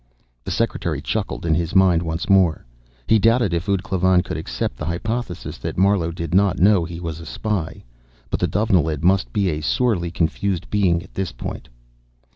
The secretary chuckled in his mind once more. He doubted if ud Klavan could accept the hypothesis that Marlowe did not know he was a spy. But the Dovenilid must be a sorely confused being at this point.